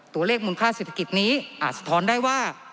มูลค่าเศรษฐกิจนี้อาจสะท้อนได้ว่า